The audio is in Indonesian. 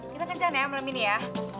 kita kencan ya malam ini ya